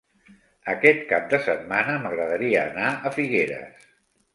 Aquest cap de setmana m'agradaria anar a Figueres.